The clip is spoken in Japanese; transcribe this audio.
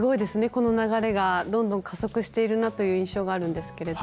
この流れがどんどん加速しているなという印象があるんですけれど。